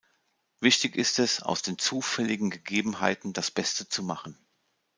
Wichtig ist es, aus den zufälligen Gegebenheiten das Beste zu machen.